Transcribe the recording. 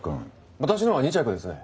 私のは２着ですね。